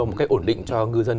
một cách ổn định cho ngư dân